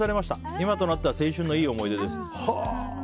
今となっては青春のいい思い出です。